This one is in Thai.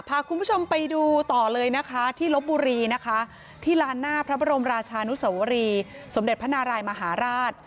พาคุณผู้ชมไปดูต่อเลยนะคะที่ลบบุรีนะคะที่ลานหน้าพระบรมราชานุสวรีสมเด็จพระนารายมหาราช